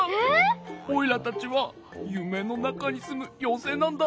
オイラたちはゆめのなかにすむようせいなんだ。